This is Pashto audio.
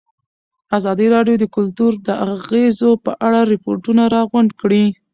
ازادي راډیو د کلتور د اغېزو په اړه ریپوټونه راغونډ کړي.